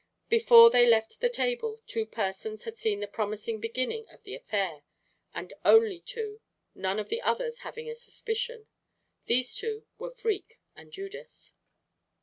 Before they left the table, two persons had seen the promising beginning of the affair, and only two, none of the others having a suspicion. These two were Freke and Judith.